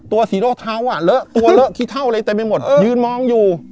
สีโร่เท้าอ่ะเลอะตัวเลอะขี้เท่าอะไรเต็มไปหมดยืนมองอยู่